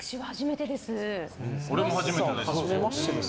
俺も初めてです。